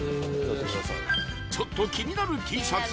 ちょっと気になるＴシャツ